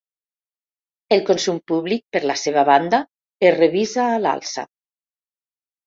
El consum públic, per la seva banda, es revisa a l’alça.